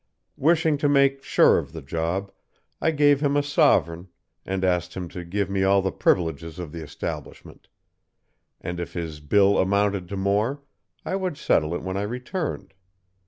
"Wishing to make sure of the job, I gave him a sovereign, and asked him to give me all the privileges of the establishment; and if his bill amounted to more, I would settle it when I returned.